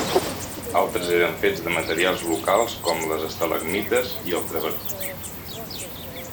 Altres eren fets de materials locals com les estalagmites i el travertí.